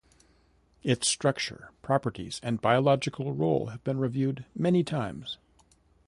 Its structure, properties and biological role have been reviewed many times.